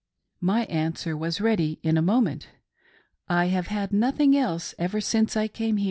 " My answer was ready in a moment —" I have had nothing else ever since I came here."